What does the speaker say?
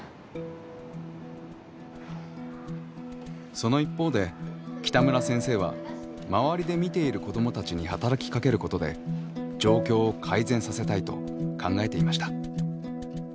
その一方で北村先生は周りで見ている子どもたちに働きかけることで状況を改善させたいと考えていました。